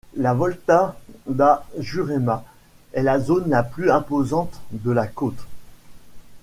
La Volta da Jurema est la zone la plus imposante de la côte.